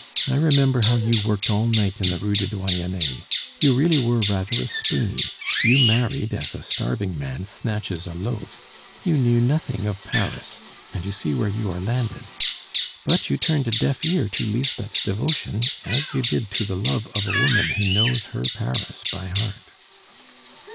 I remember how you worked all night in the Rue du Doyenne. You really were rather a spooney; you married as a starving man snatches a loaf. You knew nothing of Paris, and you see where you are landed. But you turned a deaf ear to Lisbeth's devotion, as you did to the love of a woman who knows her Paris by heart."